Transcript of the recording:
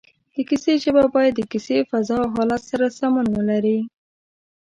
د کیسې ژبه باید د کیسې فضا او حالت سره سمون ولري